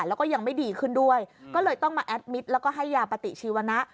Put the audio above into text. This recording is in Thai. แล้วก็ยังไม่ดีขึ้นด้วยก็เลยต้องมาแอดมิตรแล้วก็ให้ยาปฏิชีวนะ